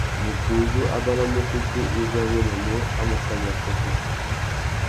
Mutu uzú a banamú ukutu uzú a nyêmêmú a mú kawi assôtô.